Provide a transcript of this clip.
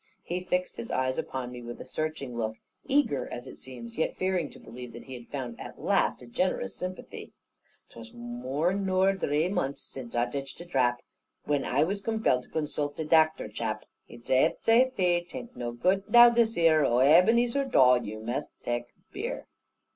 He fixed his eyes upon me, with a searching look; eager, as it seemed, yet fearing to believe that he had found at last a generous sympathy. "'Twas more nor dree months zince ai titched a drap, When ai was compelled to consult the Dactor chap; He zaith, zaith he, ''tain't no good now this here, Oh, Ebenezer Dawe, you must tak beer.